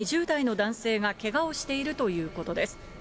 この火事で２０代の男性がけがをしているということです。